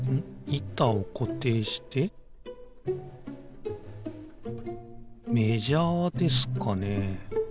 いたをこていしてメジャーですかね？